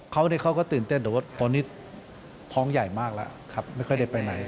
เขาก็ตื่นเต้นแต่ว่าตอนนี้ท้องใหญ่มากแล้วครับไม่ค่อยได้ไปไหน